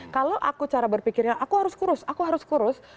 kalau aku cara berpikirnya aku harus kurus aku harus kurus